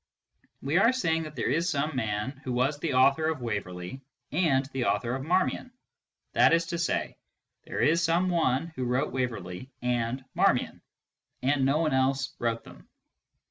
We are saying that there is some man who was the author of Waverley and the author of Marmion. That is to say, there is some one who wrote Waverley and Marmion, and no one else wrote them.